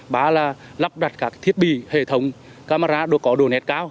ba là lắp đặt các thiết bị hệ thống camera có độ nẹt cao